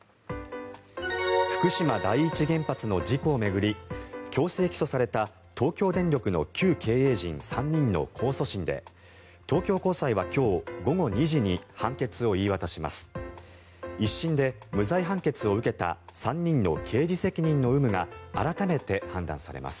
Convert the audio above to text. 福島第一原発の事故を巡り強制起訴された東京電力の旧経営陣３人の控訴審で東京高裁は今日午後２時に判決を言い渡します。